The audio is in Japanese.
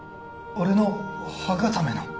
俺の歯固めの。